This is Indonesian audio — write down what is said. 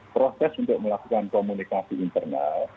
proses untuk melakukan komunikasi internal